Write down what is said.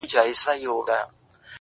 ستا د غرور حسن ځوانۍ په خـــاطــــــــر،